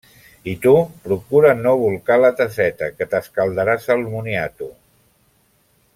I tu procura no bolcar la tasseta, que t’escaldaràs el moniato.